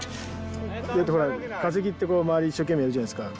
だってほら化石ってこう周り一生懸命やるじゃないですか。